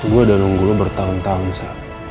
gue udah nunggu lo bertahun tahun sa